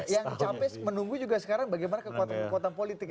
yang capek menunggu juga sekarang bagaimana kekuatan kekuatan politik